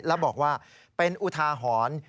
แล้วบอกว่าเป็นอุทาหรณ์